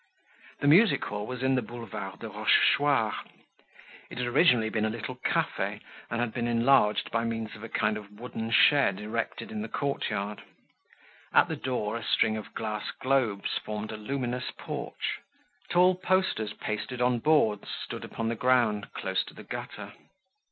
The music hall was in the Boulevard de Rochechouart. It had originally been a little cafe and had been enlarged by means of a kind of wooden shed erected in the courtyard. At the door a string of glass globes formed a luminous porch. Tall posters pasted on boards stood upon the ground, close to the gutter.